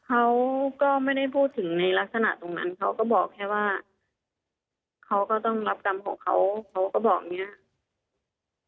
เขาก็ไม่ได้พูดถึงในลักษณะตรงนั้นเขาก็บอกแค่ว่าเขาก็ต้องรับกรรมของเขาเขาก็บอกอย่างนี้